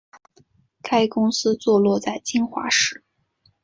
该公司坐落在金华市。